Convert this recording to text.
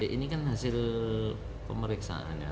ini kan hasil pemeriksaan ya